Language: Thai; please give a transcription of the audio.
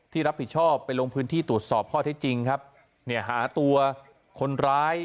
รับผิดชอบไปลงพื้นที่ตรวจสอบข้อที่จริงครับเนี่ยหาตัวคนร้าย